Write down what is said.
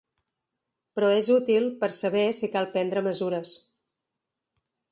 Però és útil per saber si cal prendre mesures.